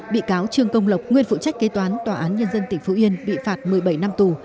bị cáo trương công lộc nguyên phụ trách kế toán tòa án nhân dân tỉnh phú yên bị phạt một mươi bảy năm tù